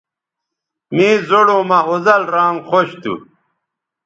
مے زوڑوں مہ اوزل رانگ خوش تھو